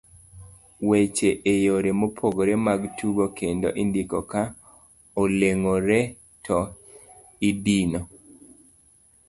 weche e yore mopogore mag tugo kendo indiko ka oleng'ore to idino